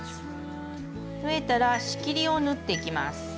縫えたら仕切りを縫っていきます。